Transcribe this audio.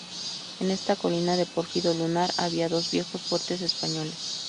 En esta colina de pórfido lunar había dos viejos fuertes españoles.